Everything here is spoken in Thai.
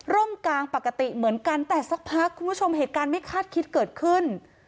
กลางปกติเหมือนกันแต่สักพักคุณผู้ชมเหตุการณ์ไม่คาดคิดเกิดขึ้น